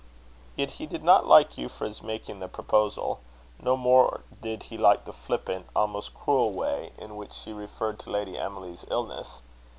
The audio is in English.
Yet he did not like Euphra's making the proposal. No more did he like the flippant, almost cruel way in which she referred to Lady Emily's illness.